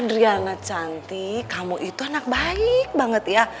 adriana cantik kamu itu anak baik banget ya